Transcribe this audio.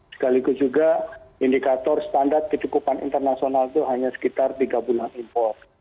sekaligus juga indikator standar kecukupan internasional itu hanya sekitar tiga bulan impor